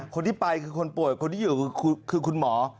คนที่ไปคือคนป่วยคนที่อยู่คือคุณหมอ